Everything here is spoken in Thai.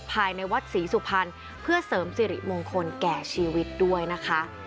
ภายในวัดศรีสุพรรณเพื่อเสริมสิริมงคลแก่ชีวิตด้วยนะคะ